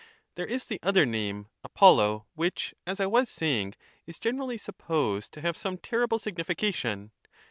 There is the other name, Apollo, which, as I was saying, is generally supposed to have some terrible signification.